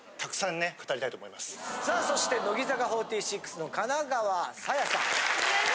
さあそして乃木坂４６の金川紗耶さん。